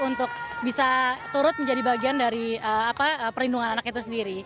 untuk bisa turut menjadi bagian dari perlindungan anak itu sendiri